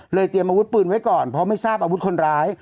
เตรียมอาวุธปืนไว้ก่อนเพราะไม่ทราบอาวุธคนร้าย